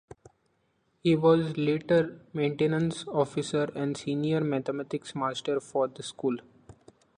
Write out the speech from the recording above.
He was later Maintenance Officer and Senior Mathematics Master for the school.